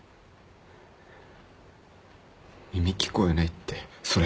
耳聞こえないってそれ。